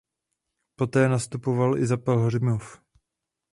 Poté nastupoval i za Pelhřimov.